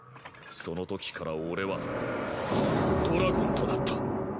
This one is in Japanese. そのときから俺はドラゴンとなった。